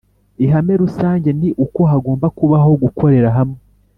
Ihame rusange ni uko hagomba kubaho gukorera hamwe